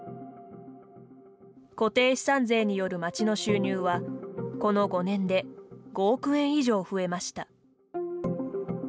固定資産税による町の収入はこの５年で５億円以上増えました。